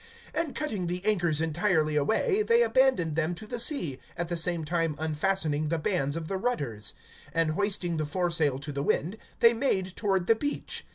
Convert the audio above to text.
(40)And cutting the anchors entirely away, they abandoned them to the sea, at the same time unfastening the bands of the rudders; and hoisting the foresail to the wind, they made toward the beach.